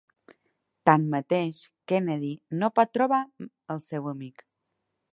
Tanmateix, Kennedy no pot trobar el seu amic.